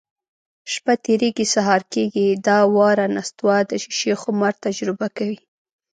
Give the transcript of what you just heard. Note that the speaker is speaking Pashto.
شپه تېرېږي، سهار کېږي. دا وار نستوه د شیشې خمار تجربه کوي: